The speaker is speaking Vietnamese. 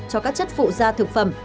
cho các chất phụ gia thực phẩm